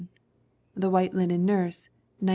The White Linen Nurse, 1913.